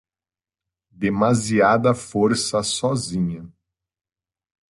Demasiada força sozinha.